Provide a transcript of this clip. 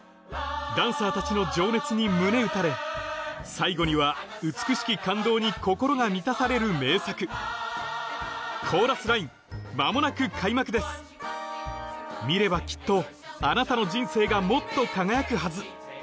ダンサーたちの情熱に胸打たれ最後には美しき感動に心が満たされる名作「コーラスライン」間もなく開幕です見ればきっとあなたの人生がもっと輝くはず